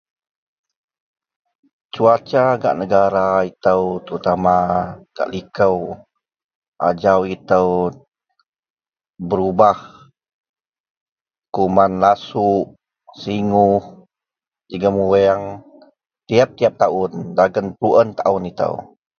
cuaca gak negara itou terutama gak liko, ajau itou berubah kuman lasuk seguih jegum wuang tiap-tiap taaun dagen pulen tahun itou